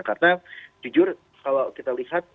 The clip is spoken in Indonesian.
karena jujur kalau kita lihat